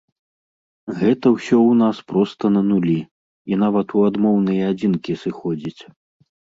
Гэта ўсё ў нас проста на нулі, і нават у адмоўныя адзінкі сыходзіць.